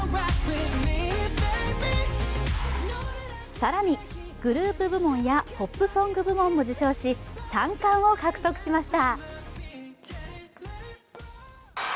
更にグループ部門やポップソング部門も受賞し三冠を獲得しました。